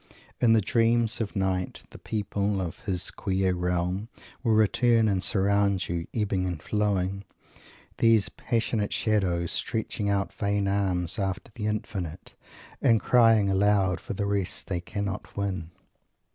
In the dreams of night the people of his queer realm will return and surround you, ebbing and flowing, these passionate shadows, stretching out vain arms after the infinite and crying aloud for the rest they cannot win.